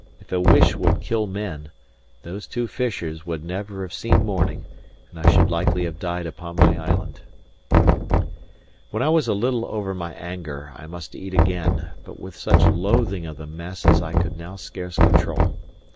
If a wish would kill men, those two fishers would never have seen morning, and I should likely have died upon my island. When I was a little over my anger, I must eat again, but with such loathing of the mess as I could now scarce control.